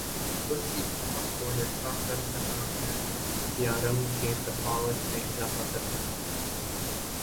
اس کی چمک کو یکساں کر سکہ ہیں یا رنگ کے تفاوت میں اضافہ کر سکہ ہیں